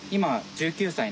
１９歳！？